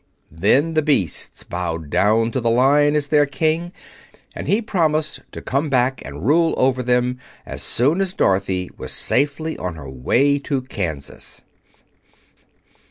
Then the beasts bowed down to the Lion as their King, and he promised to come back and rule over them as soon as Dorothy was safely on her way to Kansas.